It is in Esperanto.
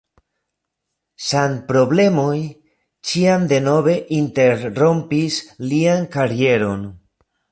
Sanproblemoj ĉiam denove interrompis lian karieron.